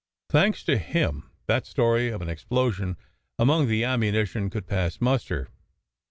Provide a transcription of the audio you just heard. Thanks to him, that story of an explosion among the ammunition could pass muster.